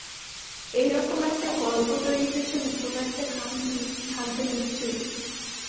এই রকম একটা গল্প তৈরির পিছনে কোনো একটা কারণ থাকবে নিশ্চয়ই!